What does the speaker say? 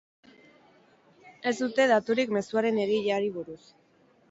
Ez dute daturik mezuaren egileari buruz.